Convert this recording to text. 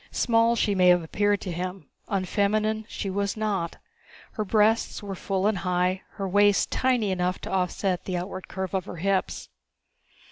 Small she may have appeared to him: unfeminine she was not. Her breasts were full and high, her waist tiny enough to offset the outward curve of her hips.